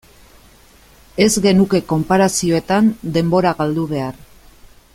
Ez genuke konparazioetan denbora galdu behar.